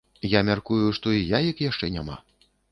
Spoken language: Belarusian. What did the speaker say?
Я мяркую, што і яек яшчэ няма.